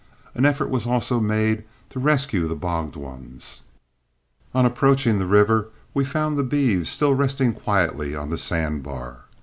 An effort was also made to rescue the bogged ones. On approaching the river, we found the beeves still resting quietly on the sand bar.